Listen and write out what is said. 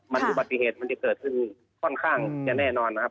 มันอุบัติเหตุมันจะเกิดขึ้นค่อนข้างจะแน่นอนนะครับ